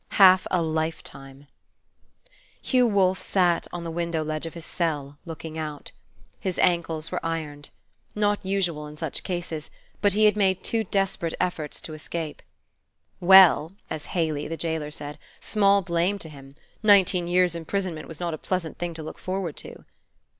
Half a lifetime! Hugh Wolfe sat on the window ledge of his cell, looking out. His ankles Were ironed. Not usual in such cases; but he had made two desperate efforts to escape. "Well," as Haley, the jailer, said, "small blame to him! Nineteen years' imprisonment was not a pleasant thing to look forward to."